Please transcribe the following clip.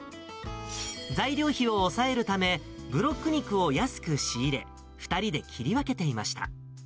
材料費を抑えるため、ブロック肉を安く仕入れ、２人で切り分けていました。